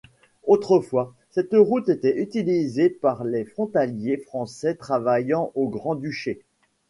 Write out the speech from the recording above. Autrefois, cette route était utilisée par les frontaliers français travaillant au Grand-Duché.